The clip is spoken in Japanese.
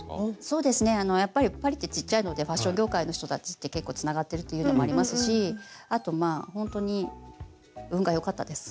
そうですねパリってちっちゃいのでファッション業界の人たちって結構つながってるっていうのもありますしあとまあほんとに運がよかったです。